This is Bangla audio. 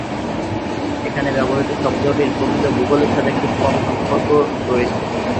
এখানে ব্যবহৃত শব্দটির প্রকৃত ভূগোলের সাথে খুব কম সম্পর্ক রয়েছে।